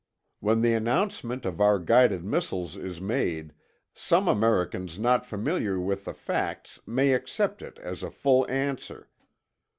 When the announcement of our guided missiles is made, some Americans not familiar with the facts may accept it as a full answer.